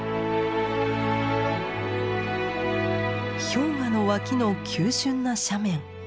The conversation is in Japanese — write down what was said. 氷河の脇の急峻な斜面。